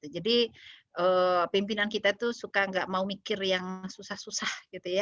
jadi pimpinan kita itu suka tidak mau mikir yang susah susah